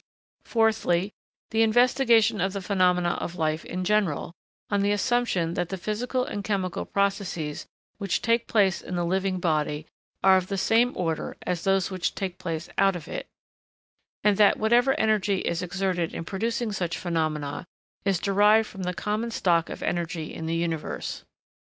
Fourthly, the investigation of the phenomena of life in general, on the assumption that the physical and chemical processes which take place in the living body are of the same order as those which take place out of it; and that whatever energy is exerted in producing such phenomena is derived from the common stock of energy in the universe.